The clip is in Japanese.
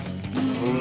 うん！